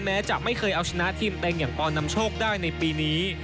แม้จะไม่เคยเอาชนะทีมเต็งอย่างปอนนำโชคได้ในปีนี้